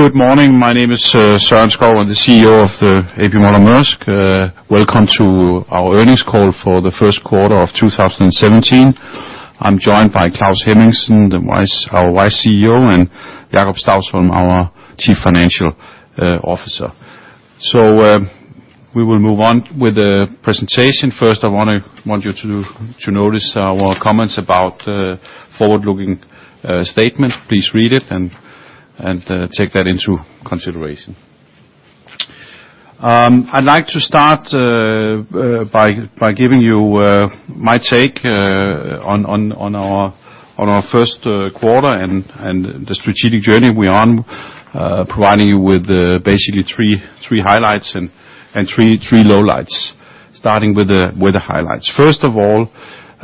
Good morning. My name is Søren Skou. I'm the CEO of A.P. Møller - Mærsk. Welcome to our earnings call for the first quarter of 2017. I'm joined by Claus Hemmingsen, our Vice CEO, and Jakob Stausholm, our Chief Financial Officer. We will move on with the presentation. First, I want you to notice our comments about forward-looking statement. Please read it and take that into consideration. I'd like to start by giving you my take on our first quarter and the strategic journey we're on, providing you with basically three highlights and three lowlights. Starting with the highlights. First of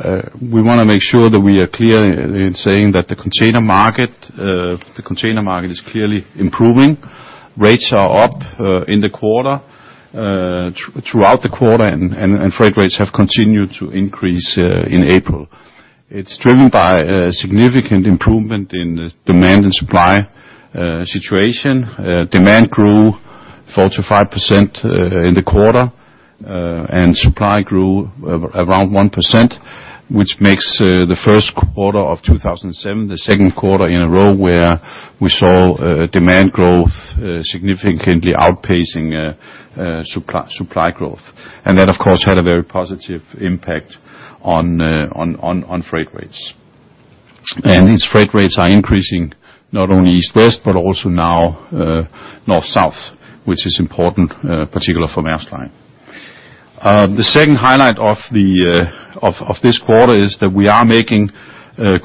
all, we wanna make sure that we are clear in saying that the container market is clearly improving. Rates are up in the quarter throughout the quarter, and freight rates have continued to increase in April. It's driven by a significant improvement in the demand and supply situation. Demand grew 4%-5% in the quarter, and supply grew around 1%, which makes the first quarter of 2007 the second quarter in a row where we saw demand growth significantly outpacing supply growth. That, of course, had a very positive impact on freight rates. These freight rates are increasing not only East-West, but also now North-South, which is important, particularly for Maersk Line. The second highlight of this quarter is that we are making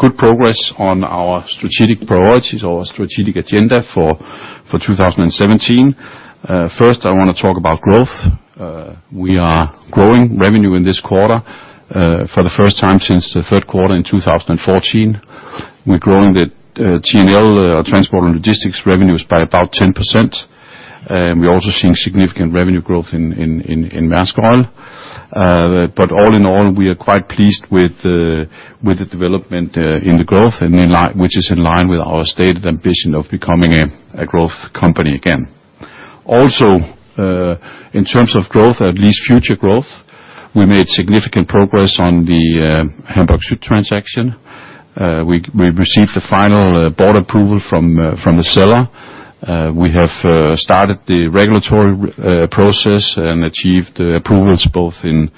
good progress on our strategic priorities, our strategic agenda for 2017. First, I wanna talk about growth. We are growing revenue in this quarter for the first time since the third quarter in 2014. We're growing the T&L transport and logistics revenues by about 10%. We're also seeing significant revenue growth in Maersk Oil. But all in all, we are quite pleased with the development in the growth and in line, which is in line with our stated ambition of becoming a growth company again. Also, in terms of growth, at least future growth, we made significant progress on the Hamburg Süd transaction. We received the final board approval from the seller. We have started the regulatory process and achieved approvals both in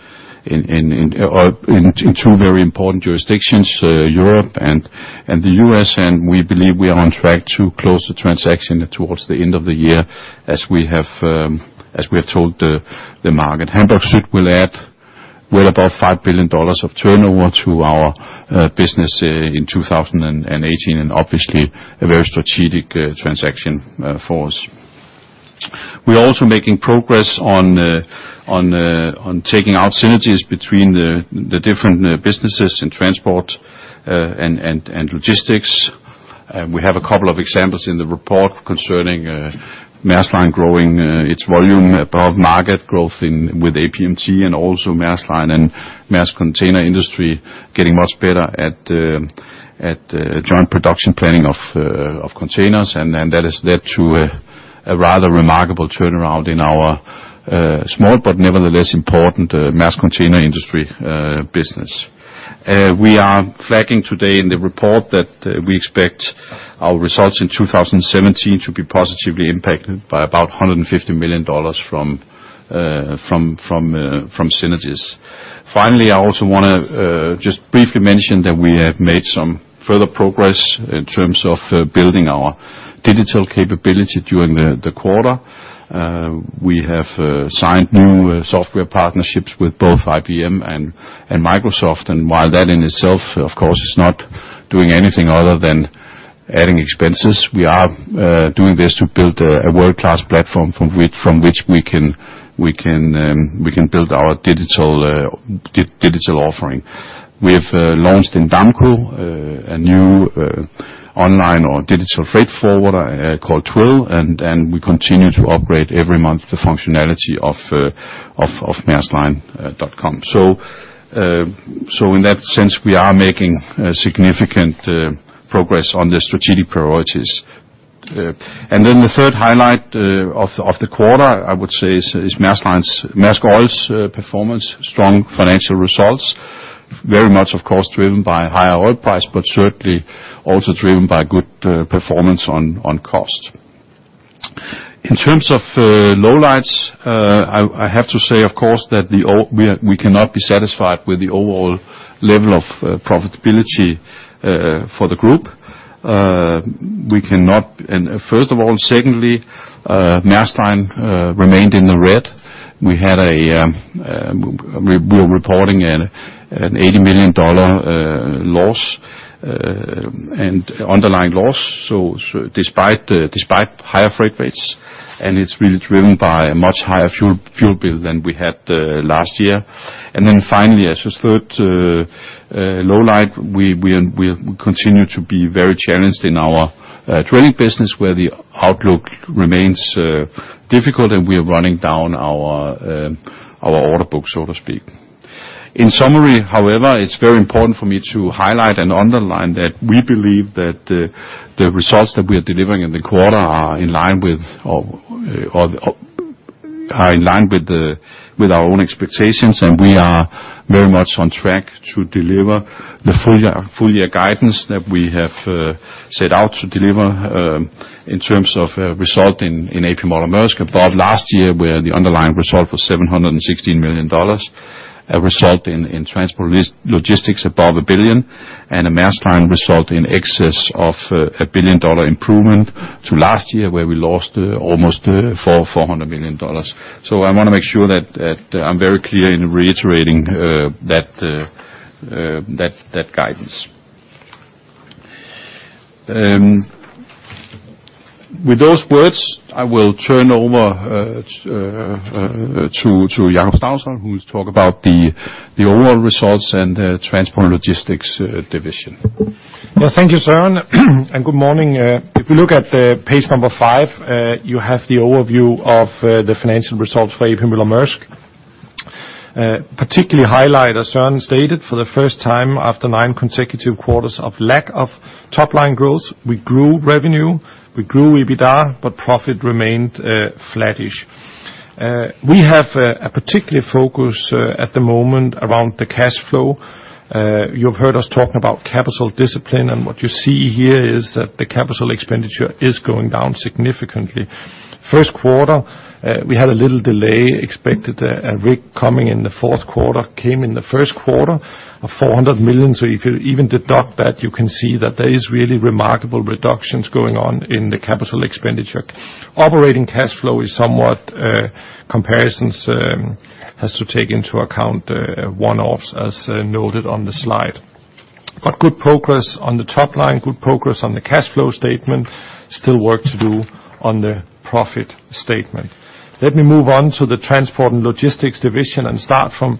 two very important jurisdictions, Europe and the U.S. We believe we are on track to close the transaction towards the end of the year as we have told the market. Hamburg Süd will add well above $5 billion of turnover to our business in 2018, and obviously a very strategic transaction for us. We're also making progress on taking out synergies between the different businesses in transport and logistics. We have a couple of examples in the report concerning Maersk Line growing its volume above market growth in with APMT, and also Maersk Line and Maersk Container Industry getting much better at joint production planning of containers. Then that has led to a rather remarkable turnaround in our small but nevertheless important Maersk Container Industry business. We are flagging today in the report that we expect our results in 2017 to be positively impacted by about $150 million from synergies. Finally, I also wanna just briefly mention that we have made some further progress in terms of building our digital capability during the quarter. We have signed new software partnerships with both IBM and Microsoft. While that in itself, of course, is not doing anything other than adding expenses, we are doing this to build a world-class platform from which we can build our digital offering. We have launched in Damco a new online or digital freight forwarder called Twill, and we continue to upgrade every month the functionality of maerskline.com. In that sense, we are making significant progress on the strategic priorities. Then the third highlight of the quarter, I would say, is Maersk Line's, Maersk Oil's performance, strong financial results, very much, of course, driven by higher oil price, but certainly also driven by good performance on cost. In terms of lowlights, I have to say, of course, that we cannot be satisfied with the overall level of profitability for the group. Secondly, Maersk Line remained in the red. We're reporting an $80 million loss and underlying loss. Despite higher freight rates, it's really driven by a much higher fuel bill than we had last year. Then finally, as a third lowlight, we continue to be very challenged in our trading business where the outlook remains difficult and we are running down our order book, so to speak. In summary, however, it's very important for me to highlight and underline that we believe that the results that we are delivering in the quarter are in line with, or are in line with our own expectations, and we are very much on track to deliver the full year guidance that we have set out to deliver, in terms of result in A.P. Møller - Mærsk above last year, where the underlying result was $716 million. A result in Transport & Logistics above a billion, and a Maersk Line result in excess of a billion-dollar improvement to last year, where we lost almost $400 million. I wanna make sure that I'm very clear in reiterating that guidance. With those words, I will turn over to Jakob Stausholm, who will talk about the overall results and Transport & Logistics division. Well, thank you, Søren. Good morning. If you look at the page number five, you have the overview of the financial results for A.P. Møller - Mærsk. Particularly highlight, as Søren stated, for the first time after nine consecutive quarters of lack of top-line growth, we grew revenue, we grew EBITDA, but profit remained flattish. We have a particular focus at the moment around the cash flow. You've heard us talking about capital discipline, and what you see here is that the capital expenditure is going down significantly. First quarter, we had a little delay, expected a rig coming in the fourth quarter, came in the first quarter of $400 million. So if you even deduct that, you can see that there is really remarkable reductions going on in the capital expenditure. Operating cash flow comparisons has to take into account one-offs, as noted on the slide. Good progress on the top line, good progress on the cash flow statement, still work to do on the profit statement. Let me move on to the Transport & Logistics division and start from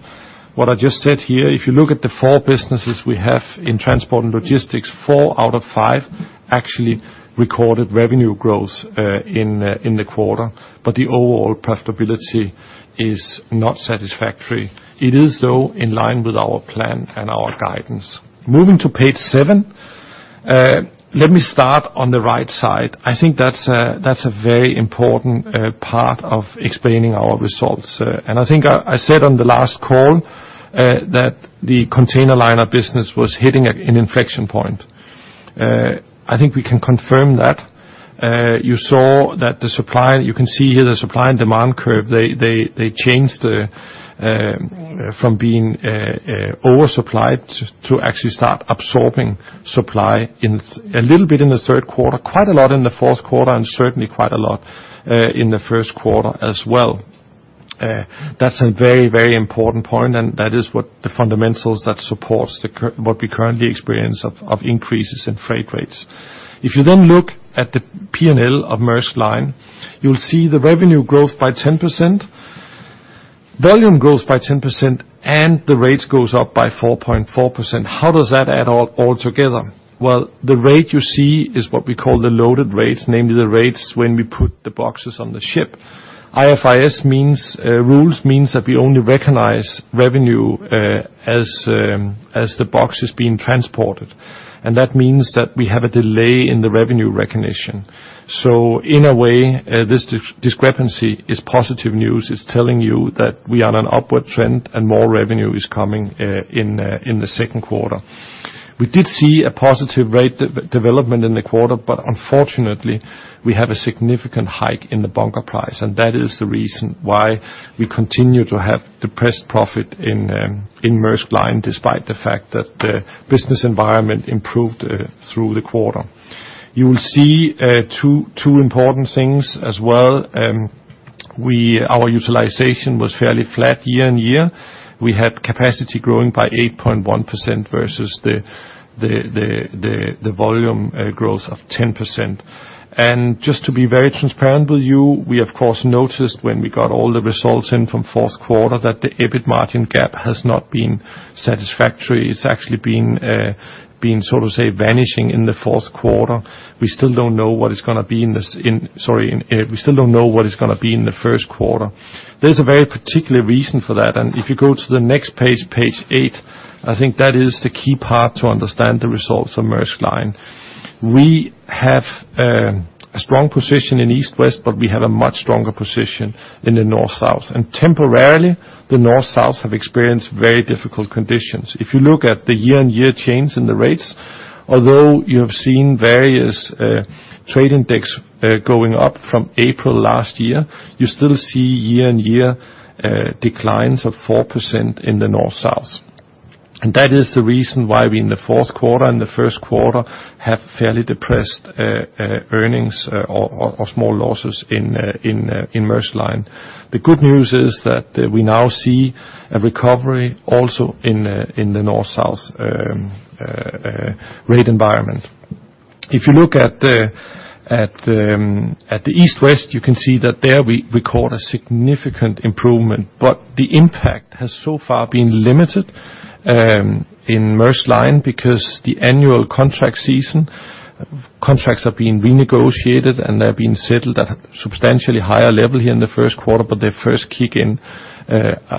what I just said here. If you look at the four businesses we have in Transport & Logistics, four out of five actually recorded revenue growth in the quarter. The overall profitability is not satisfactory. It is, though, in line with our plan and our guidance. Moving to page seven, let me start on the right side. I think that's a very important part of explaining our results. I think I said on the last call that the container line of business was hitting an inflection point. I think we can confirm that. You saw that the supply, you can see here the supply and demand curve, they changed from being oversupplied to actually start absorbing supply in a little bit in the third quarter, quite a lot in the fourth quarter, and certainly quite a lot in the first quarter as well. That's a very important point, and that is what the fundamentals that supports what we currently experience of increases in freight rates. If you then look at the P&L of Maersk Line, you'll see the revenue growth by 10%, volume grows by 10%, and the rates goes up by 4.4%. How does that add all together? Well, the rate you see is what we call the loaded rates, namely the rates when we put the boxes on the ship. IFRS means that we only recognize revenue as the box is being transported. That means that we have a delay in the revenue recognition. In a way, this discrepancy is positive news. It's telling you that we are on an upward trend and more revenue is coming in the second quarter. We did see a positive rate development in the quarter, but unfortunately, we have a significant hike in the bunker price, and that is the reason why we continue to have depressed profit in Maersk Line, despite the fact that the business environment improved through the quarter. You will see two important things as well. Our utilization was fairly flat year-over-year. We had capacity growing by 8.1% versus the volume growth of 10%. Just to be very transparent with you, we of course noticed when we got all the results in from fourth quarter that the EBIT margin gap has not been satisfactory. It's actually been sort of, say, vanishing in the fourth quarter. We still don't know what it's gonna be in the first quarter. There's a very particular reason for that. If you go to the next page eight, I think that is the key part to understand the results of Maersk Line. We have a strong position in East-West, but we have a much stronger position in the North-South. Temporarily, the North-South have experienced very difficult conditions. If you look at the year-on-year change in the rates, although you have seen various trade index going up from April last year, you still see year-on-year declines of 4% in the North-South. That is the reason why we in the fourth quarter and the first quarter have fairly depressed earnings or small losses in Maersk Line. The good news is that we now see a recovery also in the North-South rate environment. If you look at the East-West, you can see that there we record a significant improvement, but the impact has so far been limited in Maersk Line because the annual contract season, contracts are being renegotiated, and they're being settled at a substantially higher level here in the first quarter, but they first kick in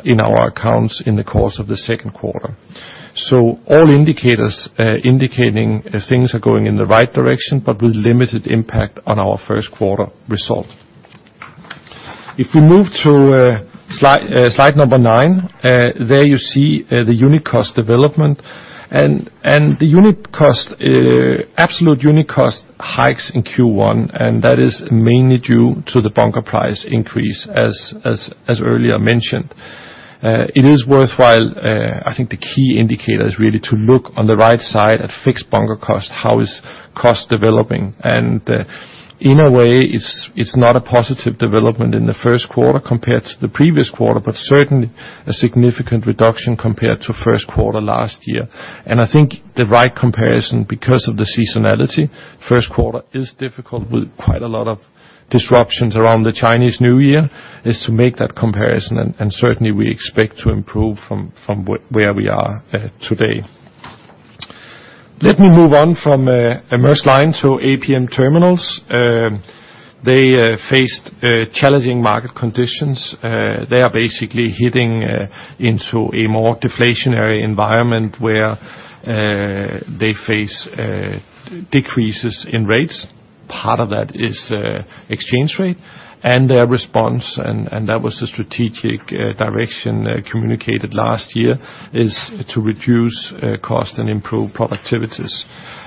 in our accounts in the course of the second quarter. All indicators indicating if things are going in the right direction, but with limited impact on our first quarter result. If we move to slide number nine, there you see the unit cost development and the absolute unit cost hikes in Q1, and that is mainly due to the bunker price increase as earlier mentioned. It is worthwhile. I think the key indicator is really to look on the right side at fixed bunker cost, how is cost developing. In a way, it's not a positive development in the first quarter compared to the previous quarter, but certainly a significant reduction compared to first quarter last year. I think the right comparison because of the seasonality, first quarter is difficult with quite a lot of disruptions around the Chinese New Year, is to make that comparison and certainly we expect to improve from where we are today. Let me move on from Maersk Line to APM Terminals. They faced challenging market conditions. They are basically hitting into a more deflationary environment where they face decreases in rates. Part of that is exchange rate and response, and that was the strategic direction communicated last year, is to reduce cost and improve productivities.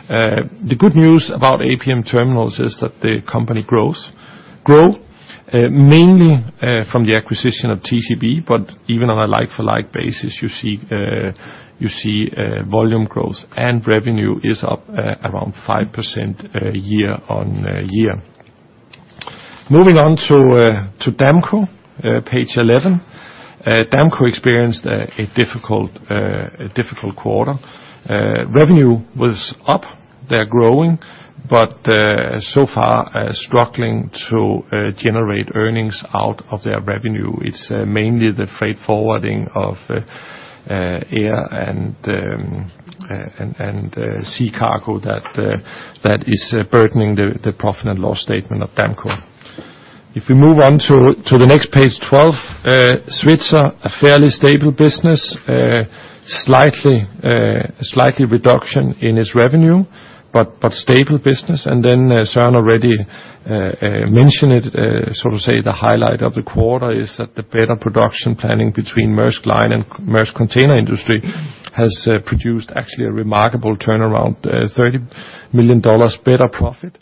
The good news about APM Terminals is that the company grows mainly from the acquisition of TCB, but even on a like-for-like basis, you see volume growth and revenue is up around 5% year-on-year. Moving on to Damco, page 11. Damco experienced a difficult quarter. Revenue was up. They're growing, but so far are struggling to generate earnings out of their revenue. It's mainly the freight forwarding of air and sea cargo that is burdening the profit and loss statement of Damco. If we move on to the next page 12. Svitzer, a fairly stable business, slight reduction in its revenue, but stable business. Søren already mentioned it, so to say the highlight of the quarter is that the better production planning between Maersk Line and Maersk Container Industry has produced actually a remarkable turnaround, $30 million better profit.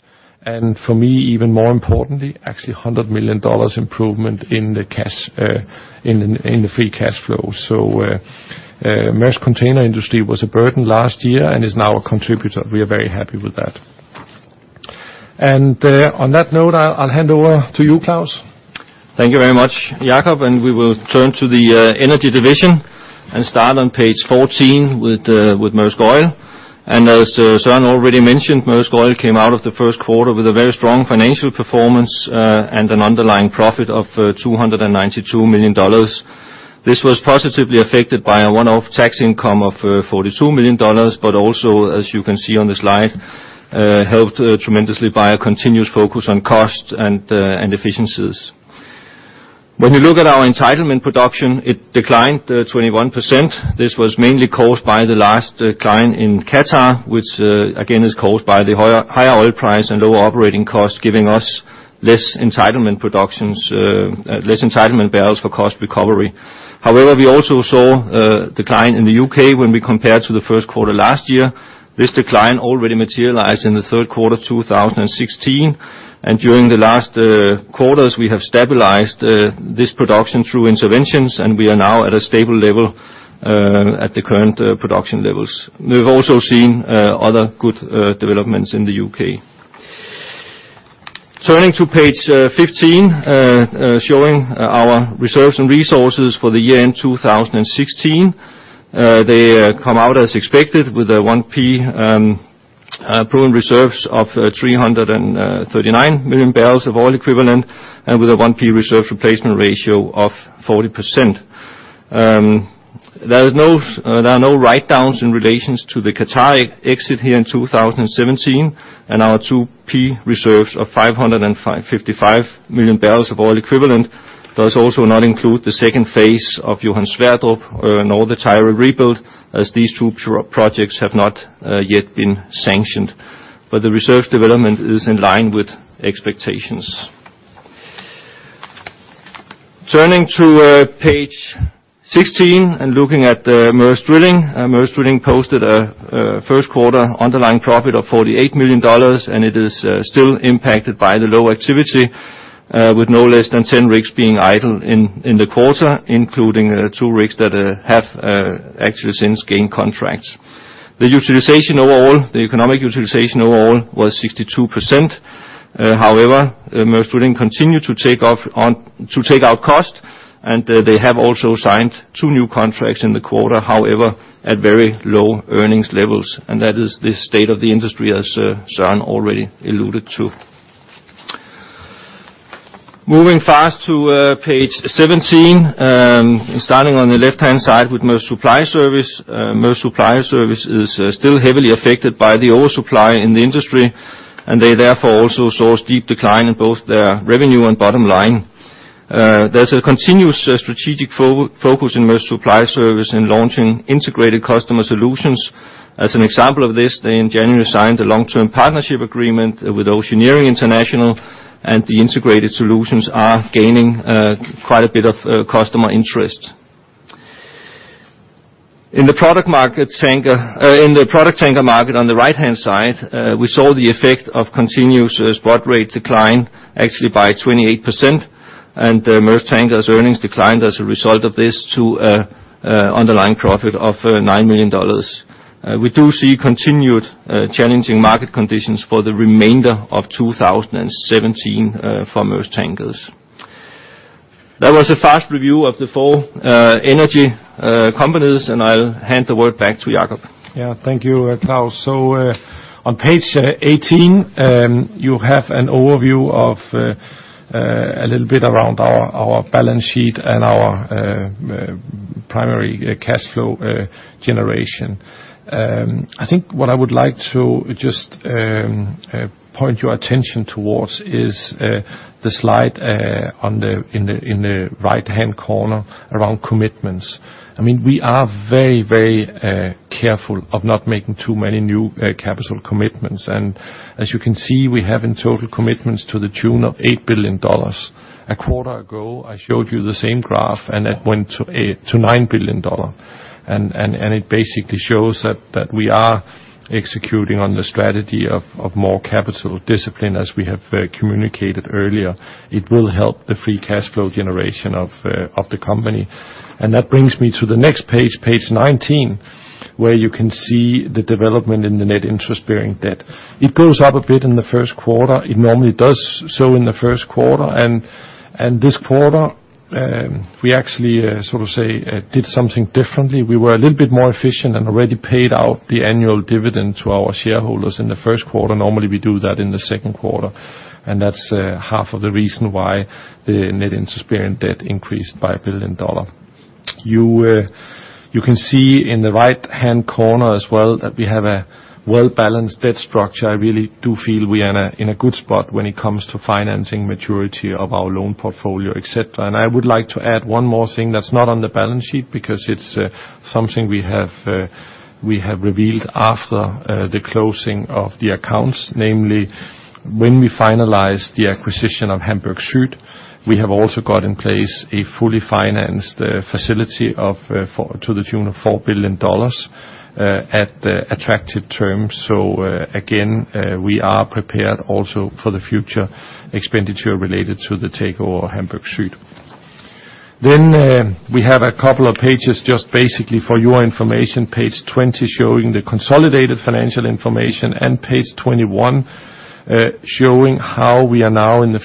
For me, even more importantly, actually a $100 million improvement in the cash, in the free cash flow. Maersk Container Industry was a burden last year and is now a contributor. We are very happy with that. On that note, I'll hand over to you, Claus. Thank you very much, Jakob, we will turn to the energy division and start on page 14 with Maersk Oil. As Søren already mentioned, Maersk Oil came out of the first quarter with a very strong financial performance and an underlying profit of $292 million. This was positively affected by a one-off tax income of $42 million, but also, as you can see on the slide, helped tremendously by a continuous focus on cost and efficiencies. When we look at our entitlement production, it declined 21%. This was mainly caused by the latest decline in Qatar, which again is caused by the higher oil price and lower operating costs, giving us less entitlement production, less entitlement barrels for cost recovery. However, we also saw decline in the UK when we compared to the first quarter last year. This decline already materialized in the third quarter 2016. During the last quarters, we have stabilized this production through interventions, and we are now at a stable level at the current production levels. We've also seen other good developments in the UK. Turning to page 15 showing our reserves and resources for the year-end 2016. They come out as expected with 1P proven reserves of 339 million barrels of oil equivalent and with a 1P reserve replacement ratio of 40%. There are no write-downs in relation to the Qatar exit here in 2017, and our 2P reserves of 555 million barrels of oil equivalent does also not include the second phase of Johan Sverdrup or Northeire rebuild, as these two projects have not yet been sanctioned. The reserve development is in line with expectations. Turning to page 16 and looking at Maersk Drilling. Maersk Drilling posted a first quarter underlying profit of $48 million, and it is still impacted by the low activity with no less than 10 rigs being idle in the quarter, including 2 rigs that have actually since gained contracts. The utilization overall, the economic utilization overall was 62%. However, Maersk Drilling continued to take out costs, and they have also signed two new contracts in the quarter. However, at very low earnings levels, and that is the state of the industry, as Søren already alluded to. Moving fast to page 17. Starting on the left-hand side with Maersk Supply Service. Maersk Supply Service is still heavily affected by the oversupply in the industry, and they therefore also saw a steep decline in both their revenue and bottom line. There's a continuous strategic focus in Maersk Supply Service in launching integrated customer solutions. As an example of this, they in January signed a long-term partnership agreement with Oceaneering International, and the integrated solutions are gaining quite a bit of customer interest. In the product market tanker... In the product tanker market on the right-hand side, we saw the effect of continuous spot rate decline actually by 28%, and Maersk Tankers earnings declined as a result of this to underlying profit of $9 million. We do see continued challenging market conditions for the remainder of 2017 for Maersk Tankers. That was a fast review of the four energy companies, and I'll hand the word back to Jakob. Yeah. Thank you, Claus. On page 18, you have an overview of a little bit around our balance sheet and our primary cash flow generation. I think what I would like to just point your attention towards is the slide in the right-hand corner around commitments. I mean, we are very careful of not making too many new capital commitments. As you can see, we have in total commitments to the tune of $8 billion. A quarter ago, I showed you the same graph, and it went to $8 billion -$9 billion. It basically shows that we are executing on the strategy of more capital discipline, as we have communicated earlier. It will help the free cash flow generation of the company. That brings me to the next page 19, where you can see the development in the net interest-bearing debt. It goes up a bit in the first quarter. It normally does so in the first quarter. This quarter, we actually so to say did something differently. We were a little bit more efficient and already paid out the annual dividend to our shareholders in the first quarter. Normally, we do that in the second quarter, and that's half of the reason why the net interest-bearing debt increased by billion. You can see in the right-hand corner as well that we have a well-balanced debt structure. I really do feel we are in a good spot when it comes to financing maturity of our loan portfolio, et cetera. I would like to add one more thing that's not on the balance sheet because it's something we have revealed after the closing of the accounts. Namely, when we finalize the acquisition of Hamburg Süd, we have also got in place a fully financed facility of, to the tune of $4 billion, at attractive terms. Again, we are prepared also for the future expenditure related to the takeover of Hamburg Süd. We have a couple of pages just basically for your information. Page 20 showing the consolidated financial information, and page 21 showing how we are now and in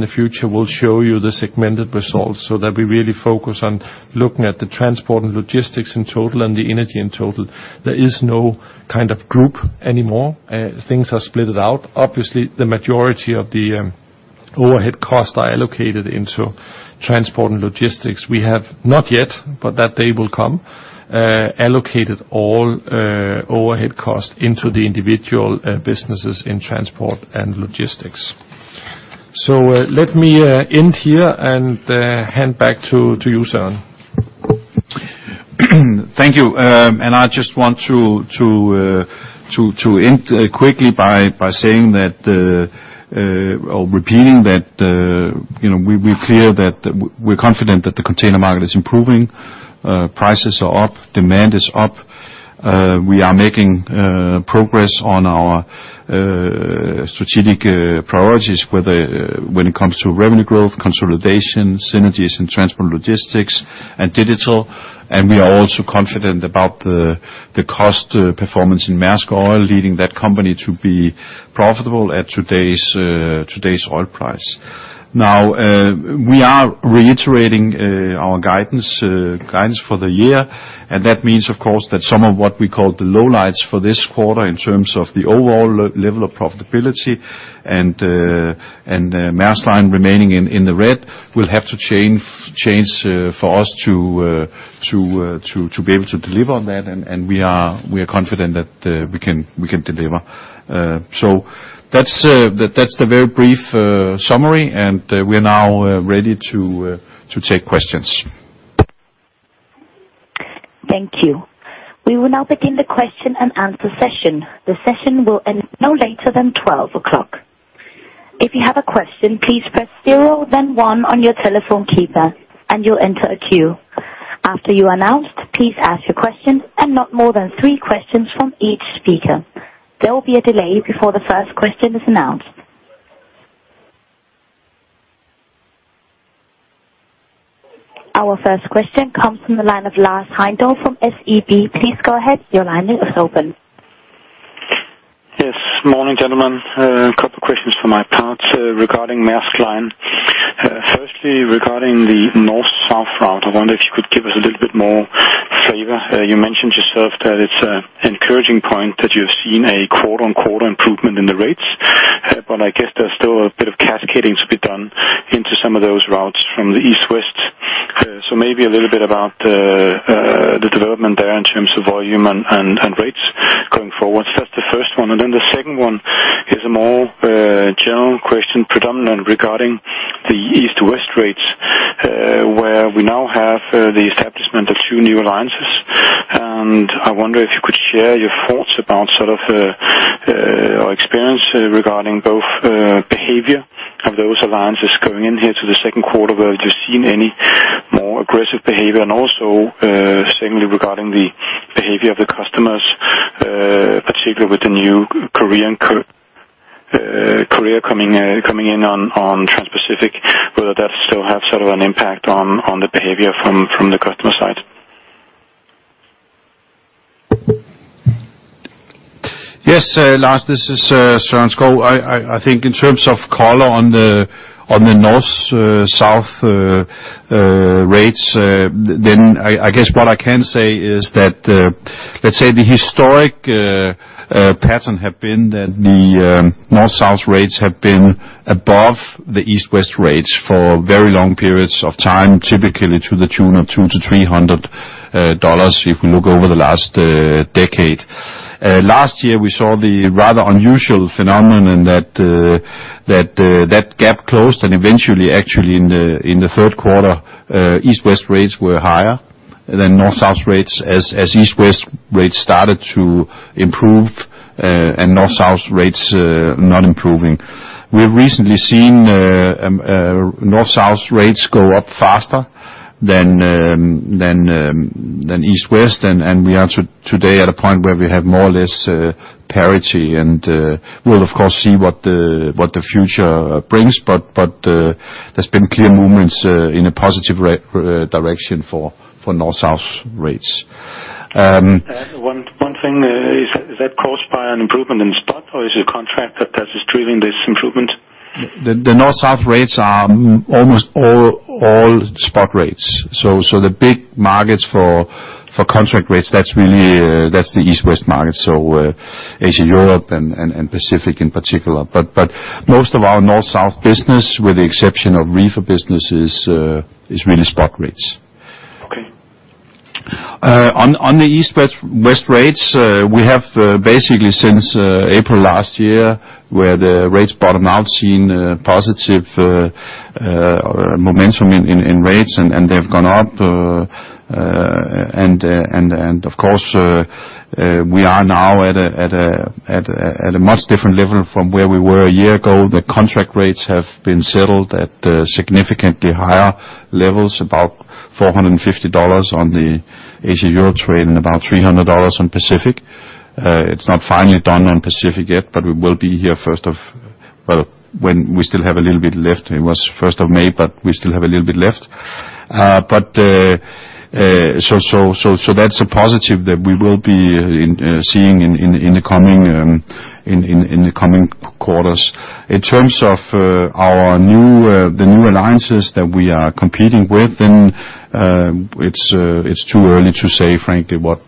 the future will show you the segmented results so that we really focus on looking at the Transport & Logistics in total and the Energy in total. There is no kind of group anymore. Things are split out. Obviously, the majority of the overhead costs are allocated into Transport & Logistics. We have not yet, but that day will come, allocated all overhead costs into the individual businesses in Transport & Logistics. Let me end here and hand back to you, Søren. Thank you. I just want to end quickly by saying that or repeating that, you know, we're clear that we're confident that the container market is improving. Prices are up, demand is up. We are making progress on our strategic priorities when it comes to revenue growth, consolidation, synergies and Transport & Logistics and digital. We are also confident about the cost performance in Maersk Oil, leading that company to be profitable at today's oil price. Now, we are reiterating our guidance for the year, and that means, of course, that some of what we call the lowlights for this quarter in terms of the overall level of profitability and Maersk Line remaining in the red will have to change for us to be able to deliver on that. We are confident that we can deliver. That's the very brief summary, and we are now ready to take questions. Thank you. We will now begin the question and answer session. The session will end no later than twelve o'clock. If you have a question, please press zero, then one on your telephone keypad and you'll enter a queue. After you are announced, please ask your question, and not more than three questions from each speaker. There will be a delay before the first question is announced. Our first question comes from the line of Lars Heindorff from SEB. Please go ahead. Your line is open. Yes. Morning, gentlemen. A couple questions for my part, regarding Maersk Line. In the North-South route, I wonder if you could give us a little bit more flavor. You mentioned yourself that it's an encouraging point that you've seen a quarter-on-quarter improvement in the rates. I guess there's still a bit of cascading to be done into some of those routes from the East-West. Maybe a little bit about the development there in terms of volume and rates going forward. That's the first one. Then the second one is a more general question predominantly regarding the East-West rates, where we now have the establishment of two new alliances. I wonder if you could share your thoughts about sort of your experience regarding both behavior of those alliances going into the second quarter, whether you've seen any more aggressive behavior. Also, secondly, regarding the behavior of the customers, particularly with the new Korean carrier coming in on Transpacific, whether that still have sort of an impact on the behavior from the customer side. Yes, Lars, this is Søren Skou. I think in terms of color on the North-South rates, then I guess what I can say is that, let's say the historic pattern have been that the North-South rates have been above the East-West rates for very long periods of time, typically to the tune of $200-$300 if we look over the last decade. Last year, we saw the rather unusual phenomenon that that gap closed and eventually actually in the third quarter, East-West rates were higher than North-South rates as East-West rates started to improve, and North-South rates not improving. We've recently seen North-South rates go up faster than East-West. We are today at a point where we have more or less parity. We'll of course see what the future brings. There's been clear movements in a positive direction for North-South rates. One thing is that caused by an improvement in stock or is it a contract that is driving this improvement? The North-South rates are almost all spot rates. The big markets for contract rates, that's really the East-West market, Asia, Europe, and Pacific in particular. Most of our North-South business, with the exception of reefer businesses, is really spot rates. Okay. On the East-West rates, we have basically since April last year, where the rates bottomed out, we've seen positive momentum in rates, and they've gone up. Of course, we are now at a much different level from where we were a year ago. The contract rates have been settled at significantly higher levels, about $450 on the Asia-Europe trade and about $300 on Pacific. It's not finalized on Pacific yet, but we will hear first of, well, when we still have a little bit left. It was first of May, but we still have a little bit left. That's a positive that we will be seeing in the coming quarters. In terms of the new alliances that we are competing with, it's too early to say, frankly, what,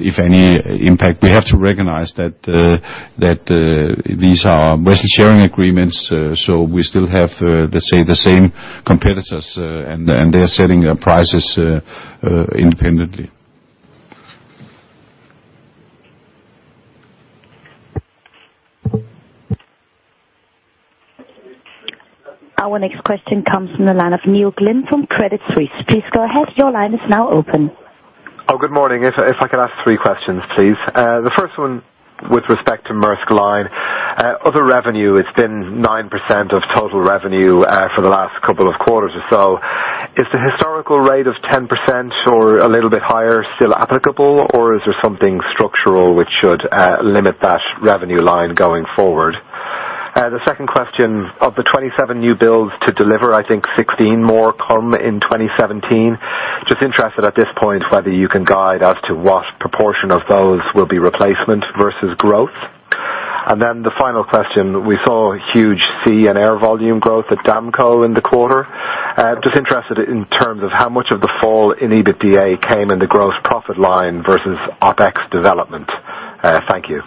if any, impact. We have to recognize that these are risk sharing agreements. We still have, let's say, the same competitors, and they're setting prices independently. Our next question comes from the line of Neil Glynn from Credit Suisse. Please go ahead. Your line is now open. Good morning. If I could ask three questions, please. The first one with respect to Maersk Line. Other revenue, it's been 9% of total revenue for the last couple of quarters or so. Is the historical rate of 10% or a little bit higher still applicable, or is there something structural which should limit that revenue line going forward? The second question, of the 27 new builds to deliver, I think 16 more come in 2017. Just interested at this point whether you can guide as to what proportion of those will be replacement versus growth. The final question, we saw huge sea and air volume growth at Damco in the quarter. Just interested in terms of how much of the fall in EBITDA came in the gross profit line versus OpEx development. Thank you.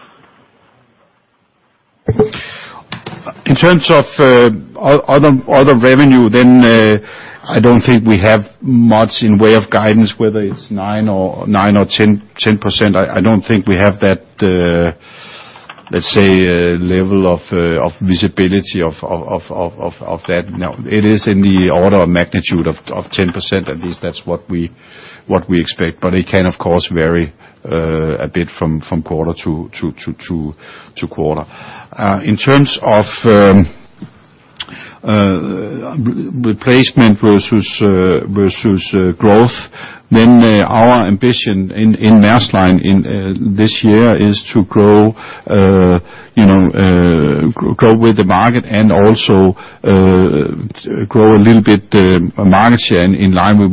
In terms of other revenue, then, I don't think we have much in the way of guidance, whether it's 9% or 10%. I don't think we have that, let's say, level of visibility of that. No, it is in the order of magnitude of 10%. At least that's what we expect. It can of course vary a bit from quarter to quarter. In terms of replacement versus growth, our ambition in Maersk Line in this year is to grow, you know, grow with the market and also grow a little bit market share in line with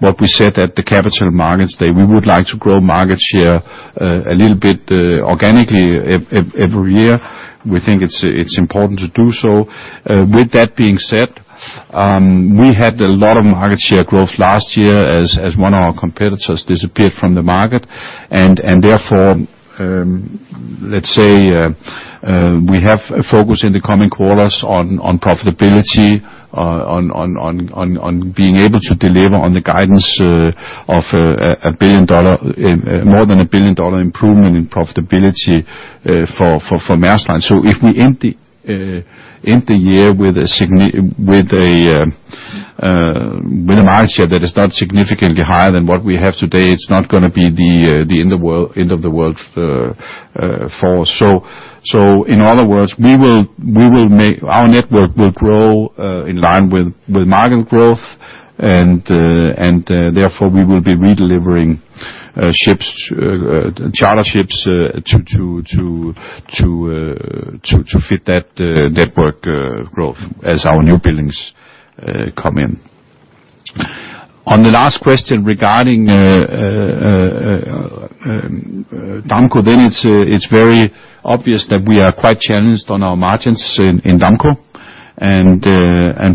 what we said at the capital markets day. We would like to grow market share a little bit organically every year. We think it's important to do so. With that being said, we had a lot of market share growth last year as one of our competitors disappeared from the market, and therefore, let's say, we have a focus in the coming quarters on profitability, on being able to deliver on the guidance of more than $1 billion improvement in profitability for Maersk Line. If we end the year with a market share that is not significantly higher than what we have today, it's not gonna be the end of the world for us. In other words, our network will grow in line with market growth, and therefore we will be redelivering charter ships to fit that network growth as our new buildings come in. On the last question regarding Damco, then it's very obvious that we are quite challenged on our margins in Damco.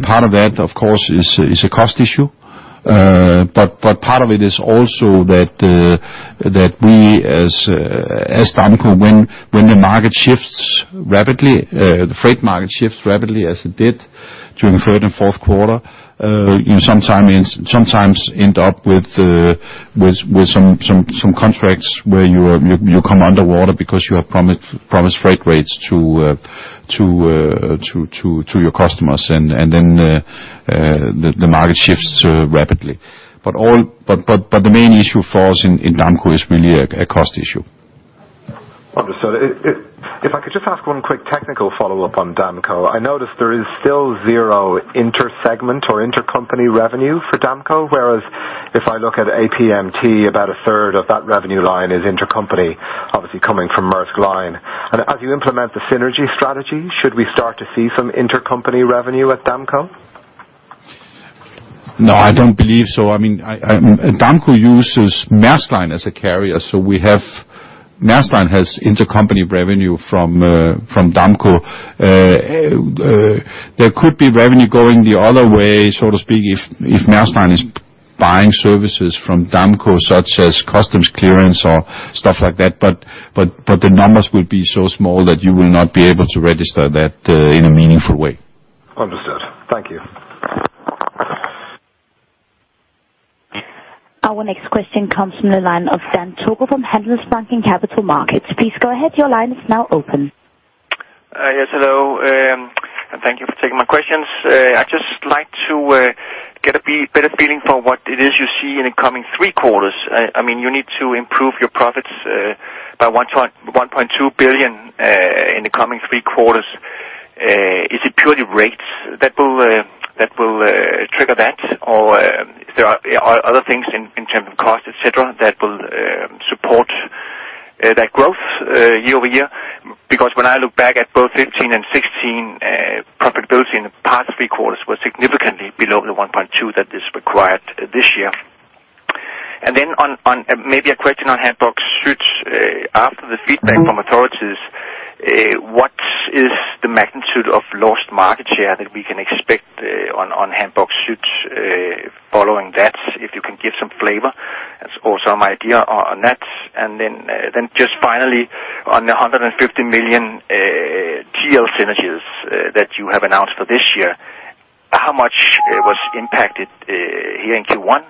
Part of that, of course, is a cost issue. Part of it is also that we as Damco when the market shifts rapidly, the freight market shifts rapidly as it did during third and fourth quarter, you know, sometimes end up with some contracts where you come underwater because you have promised freight rates to your customers and then the market shifts rapidly. The main issue for us in Damco is really a cost issue. Understood. If I could just ask one quick technical follow-up on Damco. I noticed there is still zero inter-segment or intercompany revenue for Damco, whereas if I look at APMT, about a third of that revenue line is intercompany, obviously coming from Maersk Line. As you implement the synergy strategy, should we start to see some intercompany revenue at Damco? No, I don't believe so. I mean, Damco uses Maersk Line as a carrier, so Maersk Line has intercompany revenue from Damco. There could be revenue going the other way, so to speak, if Maersk Line is buying services from Damco, such as customs clearance or stuff like that, but the numbers will be so small that you will not be able to register that in a meaningful way. Understood. Thank you. Our next question comes from the line of Dan Torgil from Handelsbanken Capital Markets. Please go ahead. Your line is now open. Yes, hello, and thank you for taking my questions. I'd just like to get a better feeling for what it is you see in the coming three quarters. I mean, you need to improve your profits by $1.2 billion in the coming three quarters. Is it purely rates that will trigger that? Or are there other things in terms of cost, et cetera, that will support that growth year-over-year? Because when I look back at both 2015 and 2016, profitability in the past three quarters was significantly below the $1.2 billion that is required this year. On maybe a question on Hamburg Süd. After the feedback from authorities, what is the magnitude of lost market share that we can expect on Hamburg Süd following that? If you can give some flavor or some idea on that. Just finally, on the $150 million T&L synergies that you have announced for this year, how much was impacted here in Q1,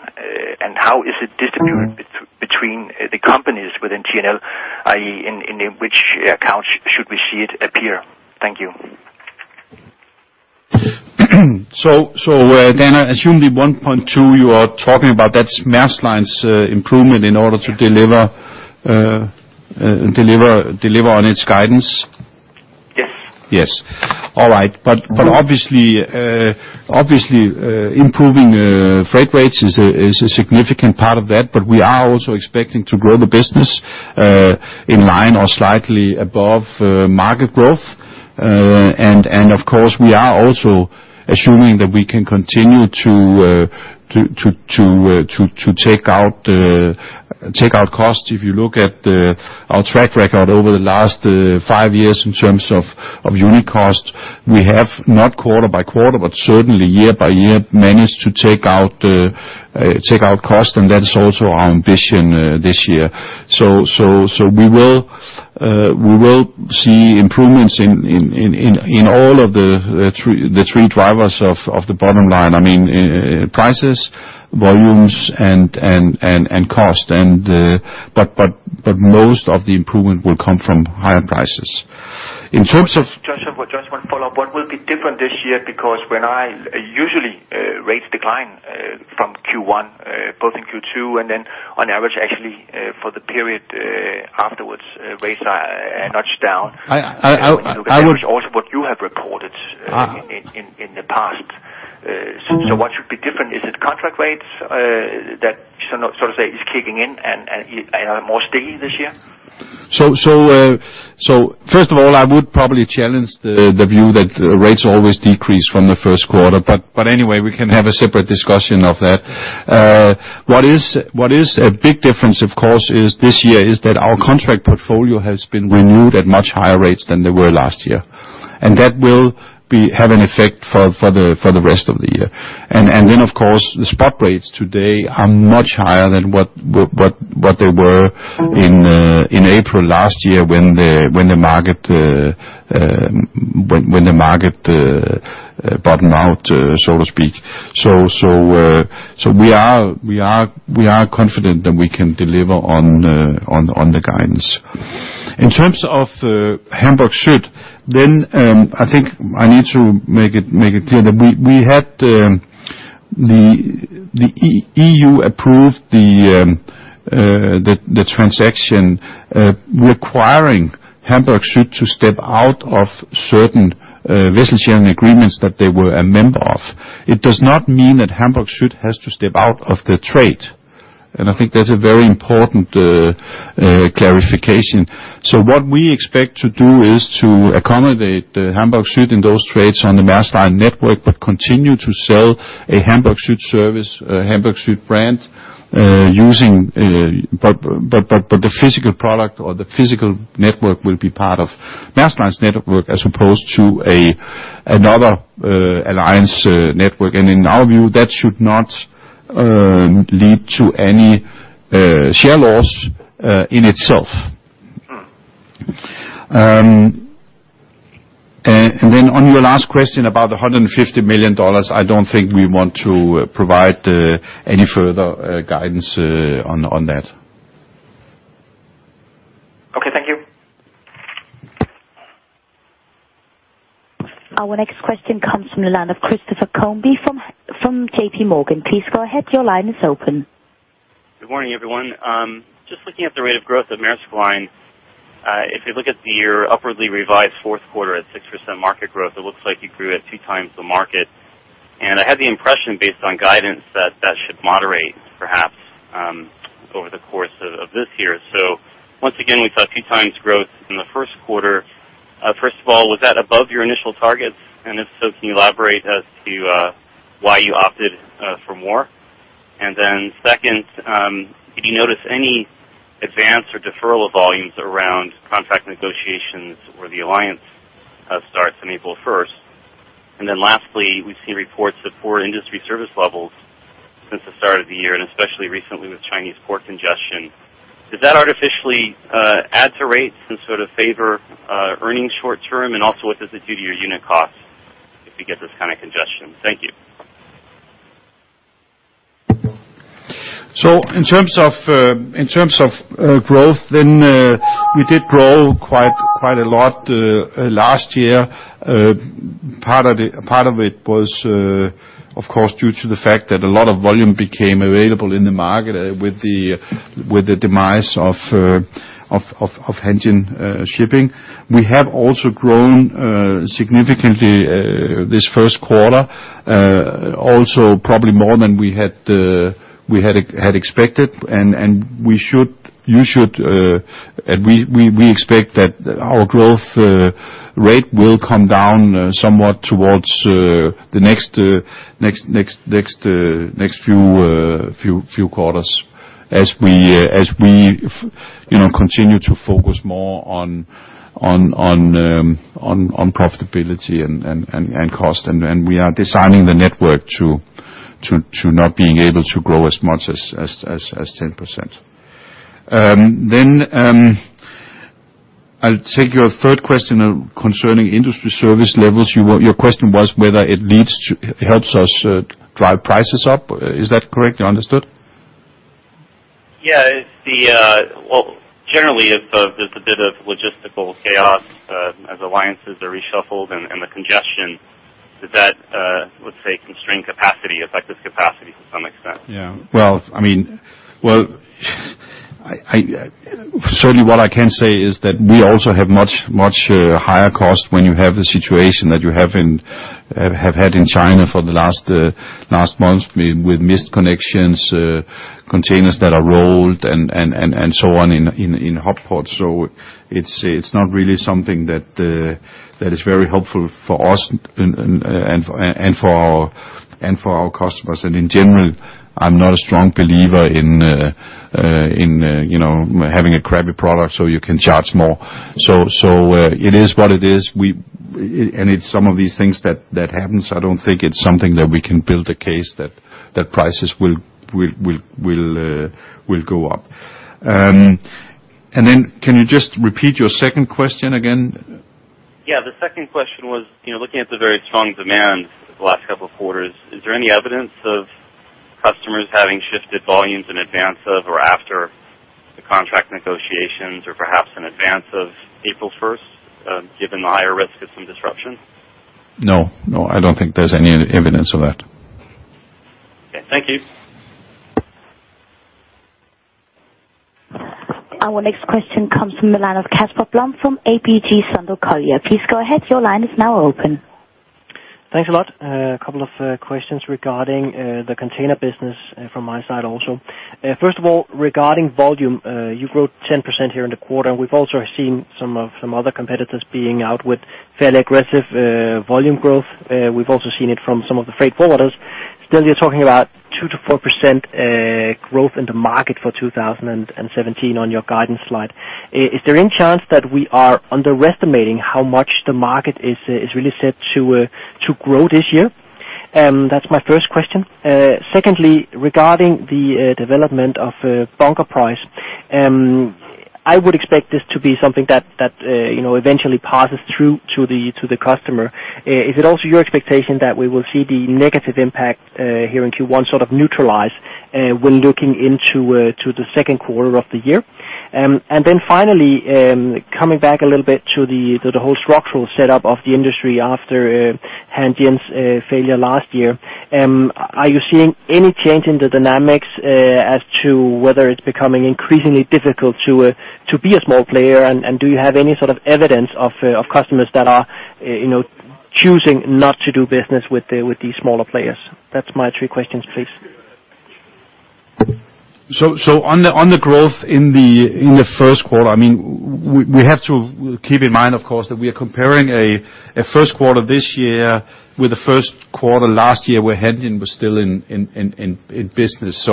and how is it distributed between the companies within T&L, i.e., in which accounts should we see it appear? Thank you. Dan, I assume the 1.2 you are talking about, that's Maersk Line's improvement in order to deliver on its guidance. Yes. Yes. All right. Obviously improving freight rates is a significant part of that. We are also expecting to grow the business in line or slightly above market growth. Of course, we are also assuming that we can continue to take out costs. If you look at our track record over the last 5 years in terms of unit cost, we have not quarter by quarter, but certainly year by year, managed to take out cost, and that's also our ambition this year. We will see improvements in all of the 3 drivers of the bottom line. I mean, prices, volumes and cost. Most of the improvement will come from higher prices. In terms of- Just one follow-up. What will be different this year? Usually rates decline from Q1 both in Q2 and then on average actually for the period afterwards rates are a notch down. I would. Which also what you have reported in the past. What should be different? Is it contract rates that so to say is kicking in and are more sticky this year? First of all, I would probably challenge the view that rates always decrease from the first quarter, but anyway, we can have a separate discussion of that. What is a big difference, of course, is this year is that our contract portfolio has been renewed at much higher rates than they were last year. That will have an effect for the rest of the year. Then of course, the spot rates today are much higher than what they were in April last year when the market bottomed out, so to speak. We are confident that we can deliver on the guidance. In terms of Hamburg Süd, then, I think I need to make it clear that the EU approved the transaction, requiring Hamburg Süd to step out of certain vessel sharing agreements that they were a member of. It does not mean that Hamburg Süd has to step out of the trade, and I think that's a very important clarification. What we expect to do is to accommodate Hamburg Süd in those trades on the Maersk Line network, but continue to sell a Hamburg Süd service, Hamburg Süd brand. The physical product or the physical network will be part of Maersk Line's network as opposed to another alliance network. In our view, that should not lead to any share loss in itself. Mm. On your last question about the $150 million, I don't think we want to provide any further guidance on that. Okay, thank you. Our next question comes from the line of Christopher Combe from JP Morgan. Please go ahead. Your line is open. Good morning, everyone. Just looking at the rate of growth at Maersk Line. If you look at your upwardly revised fourth quarter at 6% market growth, it looks like you grew at two times the market. I had the impression based on guidance that that should moderate perhaps over the course of this year. Once again, we saw two times growth in the first quarter. First of all, was that above your initial targets? If so, can you elaborate as to why you opted for more? Then second, did you notice any advance or deferral of volumes around contract negotiations where the alliance starts April 1? Then lastly, we've seen reports of poor industry service levels since the start of the year, and especially recently with Chinese port congestion. Does that artificially add to rates and sort of favor earnings short term? Also, what does it do to your unit costs if you get this kind of congestion? Thank you. In terms of growth, then, we did grow quite a lot last year. Part of it was, of course, due to the fact that a lot of volume became available in the market with the demise of Hanjin Shipping. We have also grown significantly this first quarter. Also probably more than we had expected. We expect that our growth rate will come down somewhat towards the next few quarters as we you know continue to focus more on profitability and cost. We are designing the network to not being able to grow as much as 10%. I'll take your third question concerning industry service levels. Your question was whether it helps us drive prices up. Is that correct, I understood? Well, generally if there's a bit of logistical chaos, as alliances are reshuffled and the congestion, does that, let's say, constrain capacity, affect this capacity to some extent? Well, certainly what I can say is that we also have higher cost when you have the situation that you have had in China for the last month with missed connections, containers that are rolled and so on in hot ports. It's not really something that is very helpful for us and for our customers. In general, I'm not a strong believer in you know, having a crappy product so you can charge more. It is what it is. It's some of these things that happens. I don't think it's something that we can build a case that prices will go up. Can you just repeat your second question again? Yeah. The second question was, you know, looking at the very strong demand the last couple of quarters, is there any evidence of customers having shifted volumes in advance of or after the contract negotiations or perhaps in advance of April first, given the higher risk of some disruptions? No, no, I don't think there's any evidence of that. Okay. Thank you. Our next question comes from the line of Kasper Blom from ABG Sundal Collier. Please go ahead. Your line is now open. Thanks a lot. A couple of questions regarding the container business from my side also. First of all, regarding volume, you've grown 10% here in the quarter. We've also seen some other competitors being out with fairly aggressive volume growth. We've also seen it from some of the freight forwarders. Still you're talking about 2%-4% growth in the market for 2017 on your guidance slide. Is there any chance that we are underestimating how much the market is really set to grow this year? That's my first question. Secondly, regarding the development of bunker price, I would expect this to be something that you know, eventually passes through to the customer. Is it also your expectation that we will see the negative impact here in Q1 sort of neutralize when looking into the second quarter of the year? Finally, coming back a little bit to the whole structural setup of the industry after Hanjin's failure last year. Are you seeing any change in the dynamics as to whether it's becoming increasingly difficult to be a small player? Do you have any sort of evidence of customers that are, you know, choosing not to do business with these smaller players? That's my three questions, please. On the growth in the first quarter, I mean, we have to keep in mind of course, that we are comparing a first quarter this year with the first quarter last year, where Hanjin was still in business.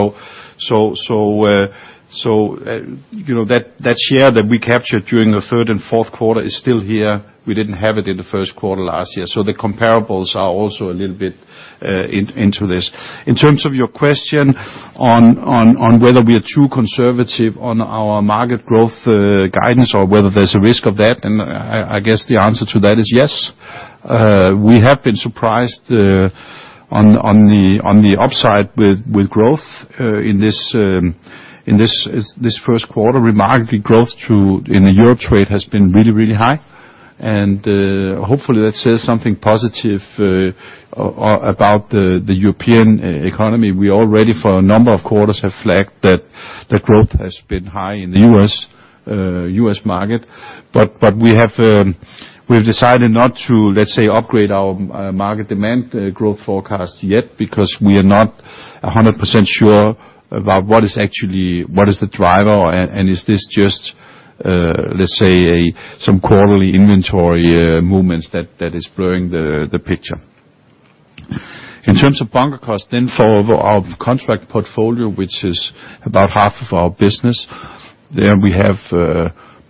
You know, that share that we captured during the third and fourth quarter is still here. We didn't have it in the first quarter last year. The comparables are also a little bit into this. In terms of your question on whether we are too conservative on our market growth guidance or whether there's a risk of that, and I guess the answer to that is yes. We have been surprised on the upside with growth in this first quarter. Remarkably growth in the Europe trade has been really high. Hopefully that says something positive about the European economy. We already for a number of quarters have flagged that the growth has been high in the U.S. market. We've decided not to, let's say, upgrade our market demand growth forecast yet because we are not 100% sure about what is actually the driver and is this just, let's say, some quarterly inventory movements that is blurring the picture. In terms of bunker cost then for our contract portfolio, which is about half of our business. There we have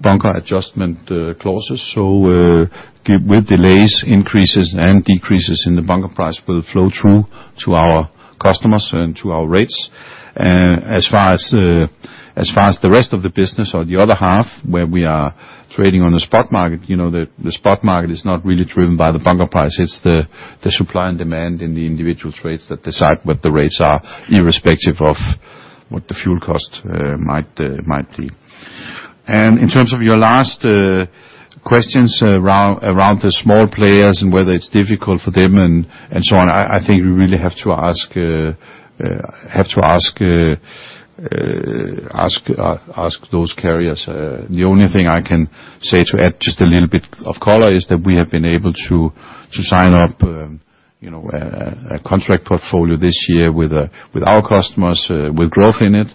bunker adjustment clauses. So, given the delays, increases and decreases in the bunker price will flow through to our customers and to our rates. As far as the rest of the business or the other half where we are trading on the spot market, you know, the spot market is not really driven by the bunker price. It's the supply and demand in the individual trades that decide what the rates are, irrespective of what the fuel cost might be. In terms of your last questions around the small players and whether it's difficult for them and so on, I think we really have to ask those carriers. The only thing I can say to add just a little bit of color is that we have been able to sign up, you know, a contract portfolio this year with our customers with growth in it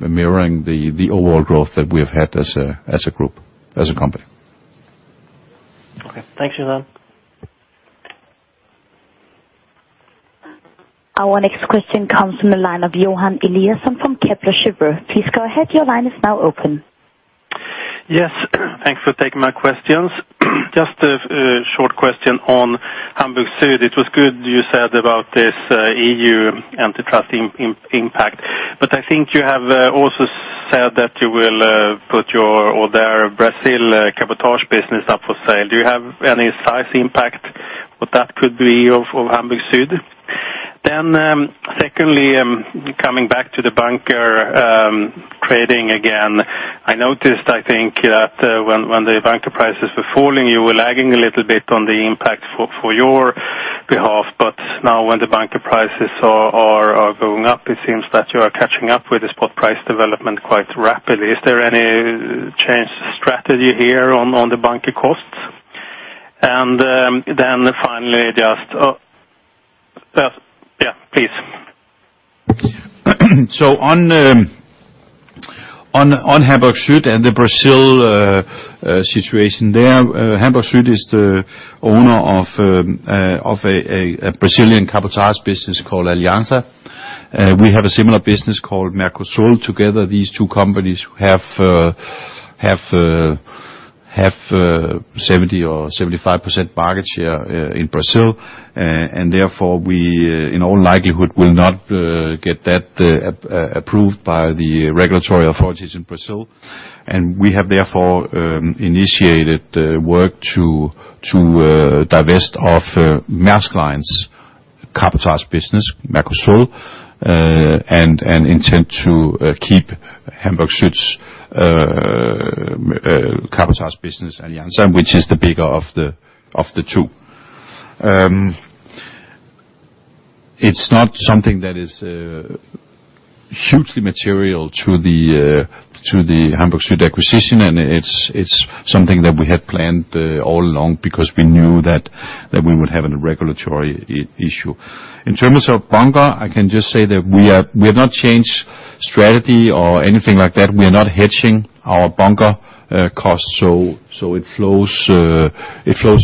mirroring the overall growth that we have had as a group, as a company. Okay. Thanks, Johan. Our next question comes from the line of Johan Eliason from Kepler Cheuvreux. Please go ahead. Your line is now open. Yes. Thanks for taking my questions. Just a short question on Hamburg Süd. It was good you said about this EU antitrust impact. I think you have also said that you will put your or their Brazil cabotage business up for sale. Do you have any size impact what that could be of Hamburg Süd? Secondly, coming back to the bunker trading again. I noticed, I think, that when the bunker prices were falling, you were lagging a little bit on the impact for your behalf. Now when the bunker prices are going up, it seems that you are catching up with the spot price development quite rapidly. Is there any change in strategy here on the bunker costs? Then finally, just yes, yeah, please. On Hamburg Süd and the Brazil situation there, Hamburg Süd is the owner of a Brazilian cabotage business called Aliança. We have a similar business called Mercosul. Together these two companies have 70% or 75% market share in Brazil. Therefore, we in all likelihood will not get that approved by the regulatory authorities in Brazil. We have therefore initiated work to divest of Maersk Line's cabotage business, Mercosul, and intend to keep Hamburg Süd's cabotage business, Aliança, which is the bigger of the two. It's not something that is hugely material to the Hamburg Süd acquisition, and it's something that we had planned all along because we knew that we would have a regulatory issue. In terms of bunker, I can just say that we have not changed strategy or anything like that. We are not hedging our bunker costs, so it flows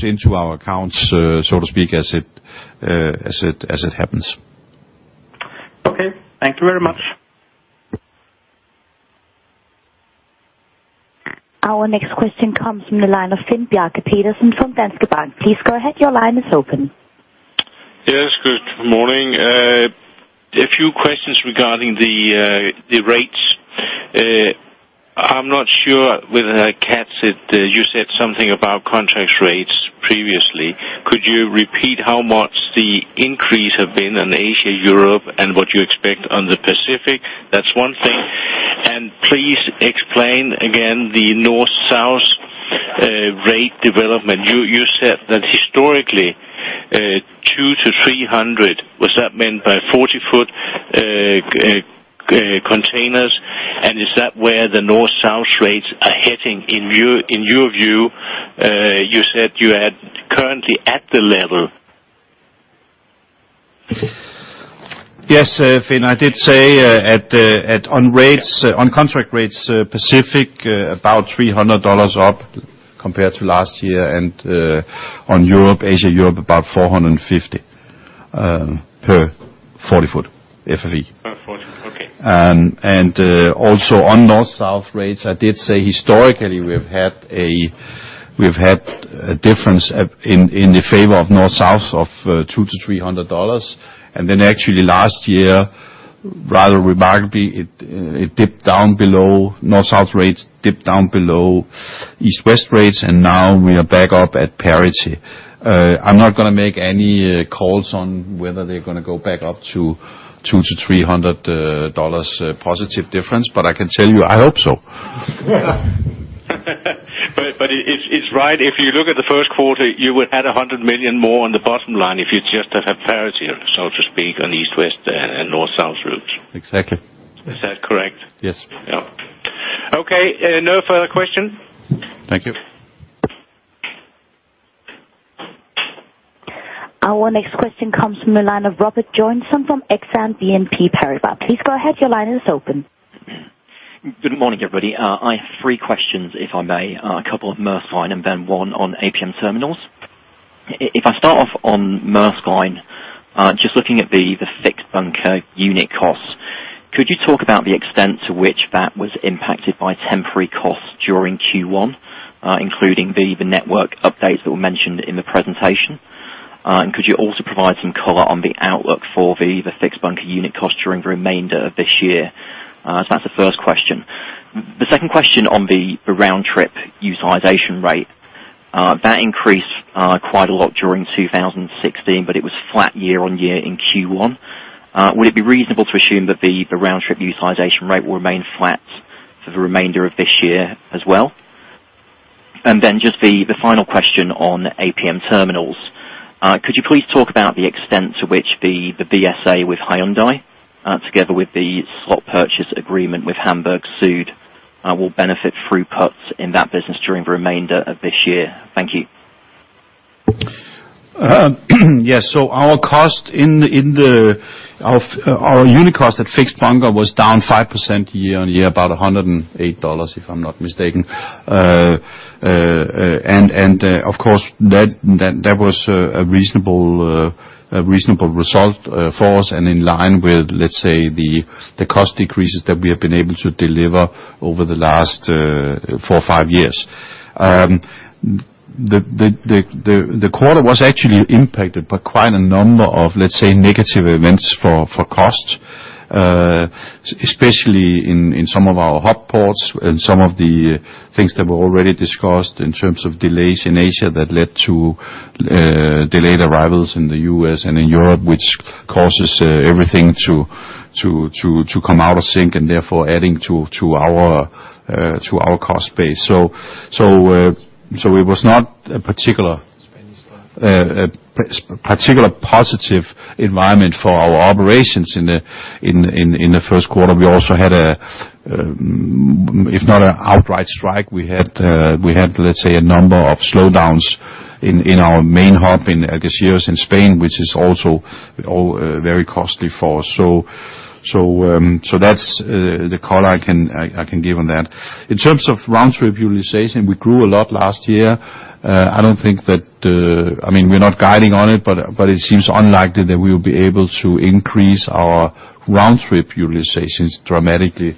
into our accounts so to speak, as it happens. Okay. Thank you very much. Our next question comes from the line of Finn Bjarke Petersen from Danske Bank. Please go ahead. Your line is open. Yes, good morning. A few questions regarding the rates. I'm not sure whether Kat said you said something about contract rates previously. Could you repeat how much the increase have been in Asia, Europe, and what you expect on the Pacific? That's one thing. Please explain again the North-South rate development. You said that historically $200-$300, was that meant by 40-foot containers, and is that where the North-South rates are heading in your view? You said you had currently at the level. Yes, Finn, I did say that on rates. Yes. On contract rates, specific about $300 up compared to last year, and on Asia-Europe, about $450 per 40-foot FEU. Per 40 foot. Okay. Also on North-South rates, I did say historically, we've had a difference in the favor of North-South of $200-$300. Then actually last year, rather remarkably, North-South rates dipped down below East-West rates, and now we are back up at parity. I'm not gonna make any calls on whether they're gonna go back up to $200-$300 positive difference, but I can tell you, I hope so. It's right. If you look at the first quarter, you would add $100 million more on the bottom line if you just had a parity, so to speak, on East-West and North-South routes. Exactly. Is that correct? Yes. Yeah. Okay, no further questions. Thank you. Our next question comes from the line of Robert Joynson from Exane BNP Paribas. Please go ahead. Your line is open. Good morning, everybody. I have three questions, if I may. A couple of Maersk Line, and then one on APM Terminals. If I start off on Maersk Line, just looking at the fixed bunker unit cost, could you talk about the extent to which that was impacted by temporary costs during Q1, including the network updates that were mentioned in the presentation? And could you also provide some color on the outlook for the fixed bunker unit cost during the remainder of this year? So that's the first question. The second question on the round trip utilization rate, that increased quite a lot during 2016, but it was flat year-on-year in Q1. Would it be reasonable to assume that the round trip utilization rate will remain flat for the remainder of this year as well? Just the final question on APM Terminals. Could you please talk about the extent to which the BSA with Hyundai, together with the slot purchase agreement with Hamburg Süd, will benefit throughputs in that business during the remainder of this year? Thank you. Yes. Our unit cost at fixed bunker was down 5% year-on-year, about $108, if I'm not mistaken. Of course, that was a reasonable result for us and in line with, let's say, the cost decreases that we have been able to deliver over the last 4-5 years. The quarter was actually impacted by quite a number of, let's say, negative events for cost, especially in some of our hub ports and some of the things that were already discussed in terms of delays in Asia that led to delayed arrivals in the U.S.and in Europe, which causes everything to come out of sync and therefore adding to our cost base. It was not a particular- Spanish one. Particular positive environment for our operations in the first quarter. We also had, if not an outright strike, let's say, a number of slowdowns in our main hub in Algeciras in Spain, which is also all very costly for us. That's the call I can give on that. In terms of round trip utilization, we grew a lot last year. I don't think that, I mean, we're not guiding on it, but it seems unlikely that we'll be able to increase our round trip utilizations dramatically,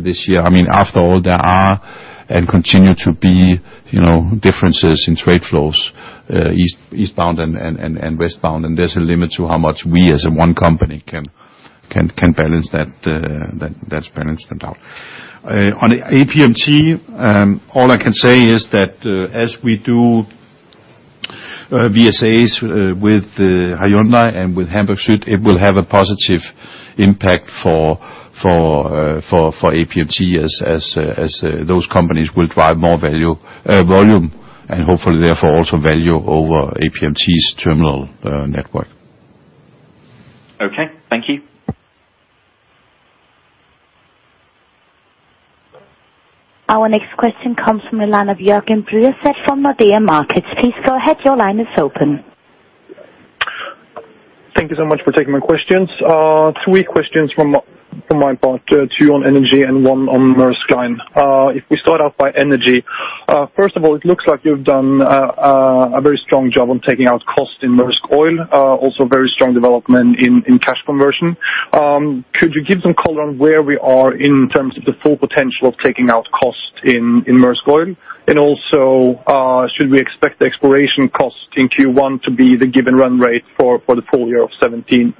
this year. I mean, after all, there are and continue to be, you know, differences in trade flows, eastbound and westbound. There's a limit to how much we as one company can balance that. That's balanced them out. On APMT, all I can say is that as we do BSAs with Hyundai and with Hamburg Süd, it will have a positive impact for APMT as those companies will drive more value, volume and hopefully therefore also value over APMT's terminal network. Okay. Thank you. Our next question comes from the line of Jürgen Brzeski from Mediobanca. Please go ahead. Your line is open. Thank you so much for taking my questions. Three questions from my part, two on energy and one on Maersk Line. If we start off by energy, first of all, it looks like you've done a very strong job on taking out costs in Maersk Oil. Also very strong development in cash conversion. Could you give some color on where we are in terms of the full potential of taking out costs in Maersk Oil? Also, should we expect exploration costs in Q1 to be the given run rate for the full year of 2017?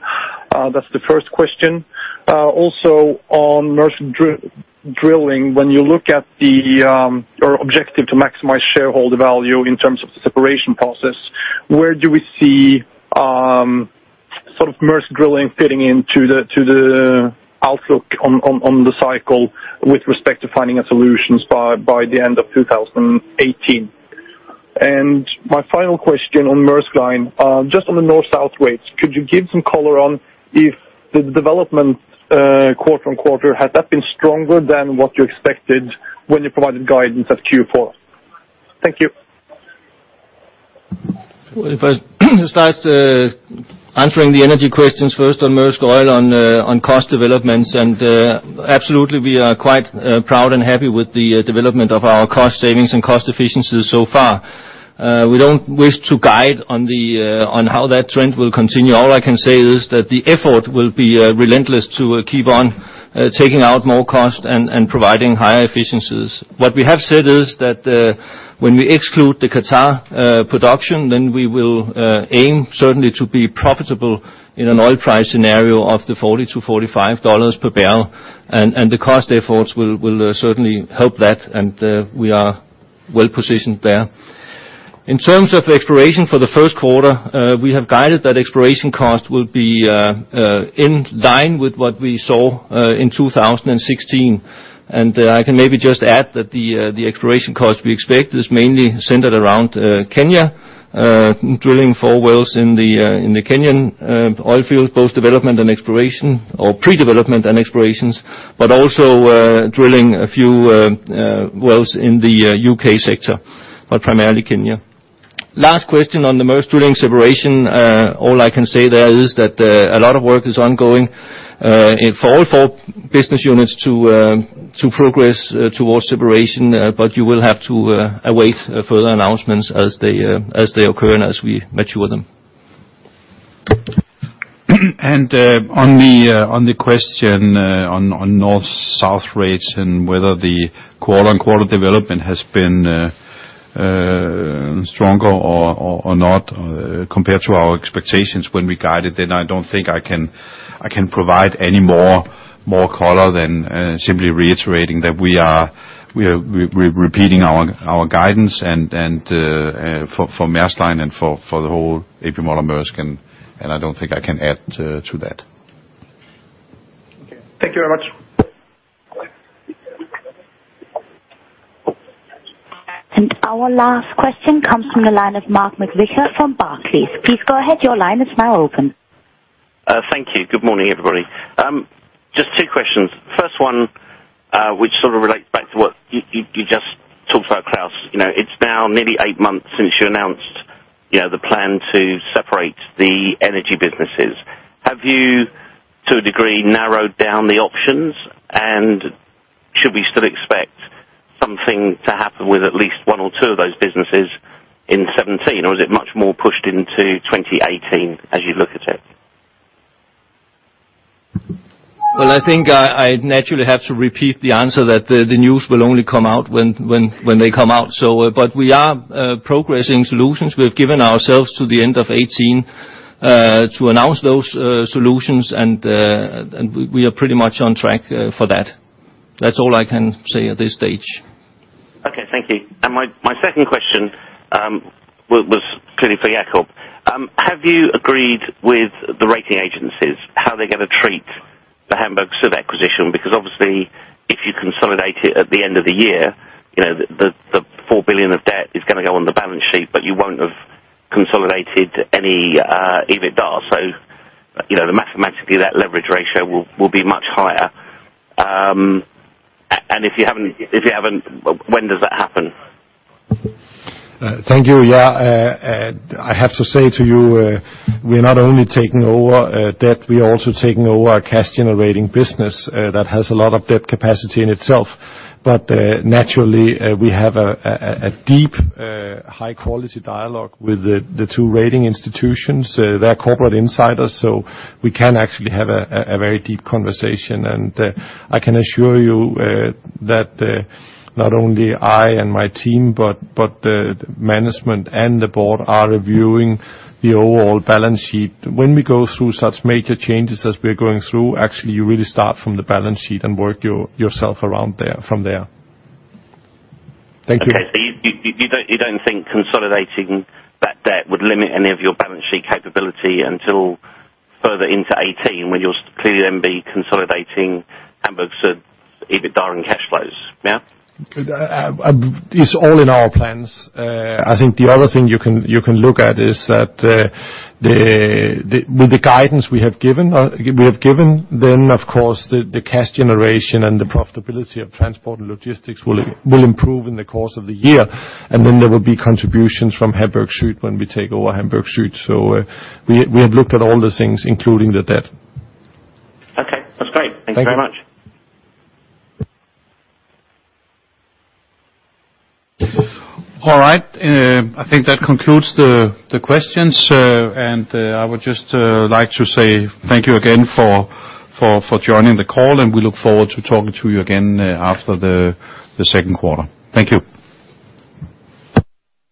That's the first question. Also on Maersk Drilling, when you look at the or objective to maximize shareholder value in terms of the separation process, where do we see sort of Maersk Drilling fitting into the outlook on the cycle with respect to finding a solution by the end of 2018. My final question on Maersk Line, just on the North-South rates, could you give some color on if the development quarter-on-quarter had that been stronger than what you expected when you provided guidance at Q4? Thank you. Well, if I start answering the energy questions first on Maersk Oil on cost developments, and absolutely we are quite proud and happy with the development of our cost savings and cost efficiencies so far. We don't wish to guide on how that trend will continue. All I can say is that the effort will be relentless to keep on taking out more costs and providing higher efficiencies. What we have said is that when we exclude the Qatar production, then we will aim certainly to be profitable in an oil price scenario of $40-$45 per barrel. The cost efforts will certainly help that, and we are well-positioned there. In terms of exploration for the first quarter, we have guided that exploration cost will be in line with what we saw in 2016. I can maybe just add that the exploration cost we expect is mainly centered around Kenya, drilling four wells in the Kenyan oil field, both development and exploration or predevelopment and explorations, but also drilling a few wells in the UK sector, but primarily Kenya. Last question on the Maersk Drilling separation, all I can say there is that a lot of work is ongoing and for all four business units to progress towards separation. You will have to await further announcements as they occur and as we mature them. On the question on North-South rates and whether the quarter-on-quarter development has been stronger or not compared to our expectations when we guided, then I don't think I can provide any more color than simply reiterating that we're repeating our guidance and for Maersk Line and for the whole A.P. Møller - Mærsk, and I don't think I can add to that. Okay. Thank you very much. Our last question comes from the line of Mark McVicar from Barclays. Please go ahead. Your line is now open. Thank you. Good morning, everybody. Just two questions. First one, which sort of relates back to what you just talked about, Claus. You know, it's now nearly eight months since you announced, you know, the plan to separate the energy businesses. Have you, to a degree, narrowed down the options? Should we still expect something to happen with at least one or two of those businesses in 2017, or is it much more pushed into 2018 as you look at it? Well, I think I naturally have to repeat the answer that the news will only come out when they come out. But we are progressing solutions. We've given ourselves to the end of 2018 to announce those solutions, and we are pretty much on track for that. That's all I can say at this stage. Okay, thank you. My second question was clearly for Jakob. Have you agreed with the rating agencies how they're gonna treat the Hamburg Süd acquisition? Because obviously if you consolidate it at the end of the year, you know, the $4 billion of debt is gonna go on the balance sheet, but you won't have consolidated any EBITDA. You know, mathematically, that leverage ratio will be much higher. If you haven't, when does that happen? I have to say to you, we're not only taking over debt, we are also taking over a cash-generating business that has a lot of debt capacity in itself. Naturally, we have a deep high-quality dialogue with the two rating institutions. They're corporate insiders, so we can actually have a very deep conversation. I can assure you that not only I and my team, but the management and the board are reviewing the overall balance sheet. When we go through such major changes as we're going through, actually you really start from the balance sheet and work yourself around there, from there. Thank you. Okay. You don't think consolidating that debt would limit any of your balance sheet capability until further into 2018 when you'll clearly then be consolidating Hamburg Süd EBITDA and cash flows, yeah? It's all in our plans. I think the other thing you can look at is that, with the guidance we have given, then of course the cash generation and the profitability of Transport & Logistics will improve in the course of the year. Then there will be contributions from Hamburg Süd when we take over Hamburg Süd. We have looked at all the things, including the debt. Okay, that's great. Thank you very much. Thank you. All right. I think that concludes the questions. I would just like to say thank you again for joining the call, and we look forward to talking to you again after the second quarter. Thank you.